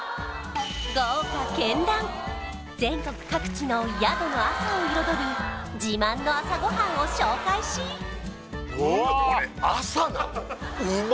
豪華けんらん全国各地の宿の朝を彩る自慢の朝ごはんを紹介しうわ